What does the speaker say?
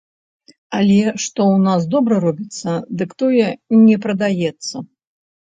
Але што ў нас добра робіцца, дык тое не прадаецца.